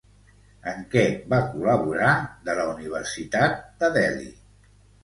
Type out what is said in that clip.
En què va col·laborar de la Universitat de Delhi?